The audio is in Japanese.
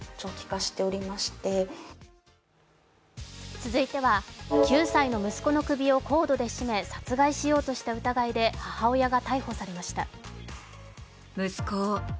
続いては、９歳の息子の首をコードで絞め殺害しようとした疑いで母親が逮捕されました。